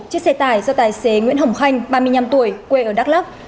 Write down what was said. chiếc xe tải do tài xế nguyễn hồng khanh ba mươi năm tuổi quê ở đắk lắc